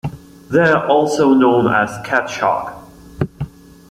They are also known as "catshark".